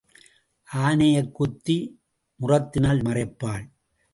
ஆனையைக் குத்தி முறத்தினால் மறைப்பாள்.